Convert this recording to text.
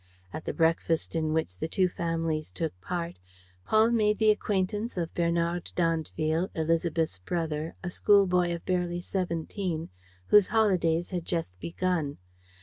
At the breakfast in which the two families took part, Paul made the acquaintance of Bernard d'Andeville, Élisabeth's brother, a schoolboy of barely seventeen, whose holidays had just begun.